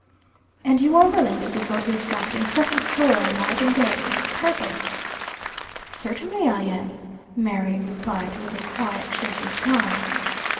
"And you are willing to devote yourself to incessant toil, night and day, for this purpose?" "Certainly I am," Mary replied, with a quiet, cheerful smile.